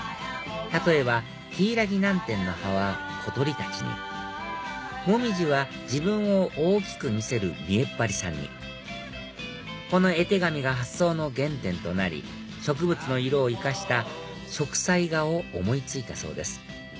例えばヒイラギナンテンの葉は小鳥たちにモミジは自分を大きく見せる見えっ張りさんにこの絵手紙が発想の原点となり植物の色を生かした植彩画を思い付いたそうです